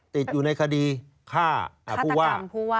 ติดอยู่ในคดีฆ่าผู้ว่า